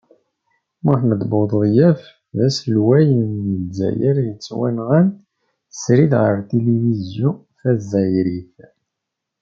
Muḥemmed Buḍyaf d aselway n lezzayer yettwanɣan srid ɣef tilivizyu tazzayrit.